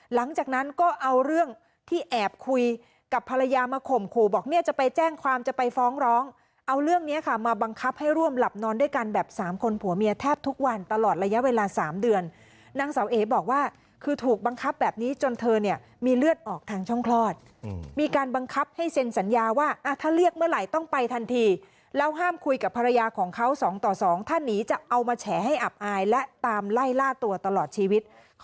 หลังจากนั้นก็เอาเรื่องที่แอบคุยกับภรรยามาข่มขู่บอกเนี่ยจะไปแจ้งความจะไปฟ้องร้องเอาเรื่องเนี่ยค่ะมาบังคับให้ร่วมหลับนอนด้วยกันแบบสามคนผัวเมียแทบทุกวันตลอดระยะเวลาสามเดือนนางเสาเอปบอกว่าคือถูกบังคับแบบนี้จนเธอเนี่ยมีเลือดออกทางช่องคลอดมีการบังคับให้เซ็นสัญญาว่าถ้าเรี